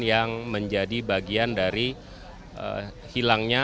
yang menjadi bagian dari hilangnya